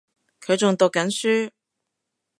佢仲讀緊書